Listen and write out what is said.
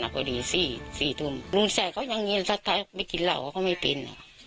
ไม่ได้ทำไม่ได้ทำไม่ได้ทำอยู่บ้าน